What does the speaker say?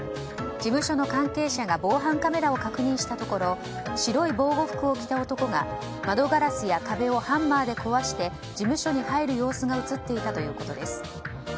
事務所の関係者が防犯カメラを確認したところ白い防護服を着た男が窓ガラスや壁をハンマーで壊して事務所に入る様子が映っていたということです。